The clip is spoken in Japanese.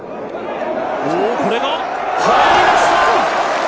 これが入りました！